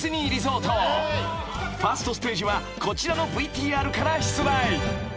［ファーストステージはこちらのＶＴＲから出題］